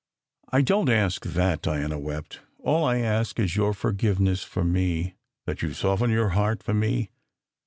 "I don t ask that," Diana wept. "All I ask is your forgiveness for me that you soften your heart for me!"